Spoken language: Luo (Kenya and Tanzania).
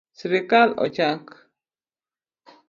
Sirkal ochak